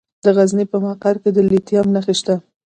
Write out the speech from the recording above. د غزني په مقر کې د لیتیم نښې شته.